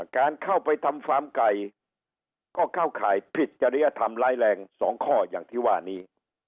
การเข้าไปทำฟาร์มไก่ก็เข้าข่ายผิดจริยธรรมร้ายแรง๒ข้ออย่างที่ว่านี้